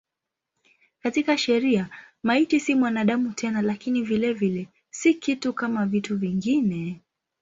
Katika sheria maiti si mwanadamu tena lakini vilevile si kitu kama vitu vingine.